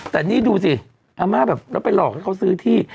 แต่นี่ดูสิอาม่าแบบแล้วไปหลอกให้เขาซื้อที่